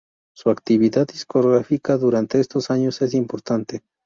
Su actividad discográfica durante estos años es importante.